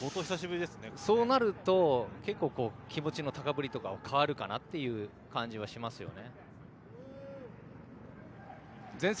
そうなると、結構気持ちの高ぶりとかも変わるかなという感じはしますよね。